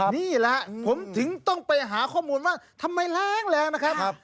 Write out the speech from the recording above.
นี่แหละผมถึงต้องไปหาข้อมูลว่าทำไมแรงแรงนะครับ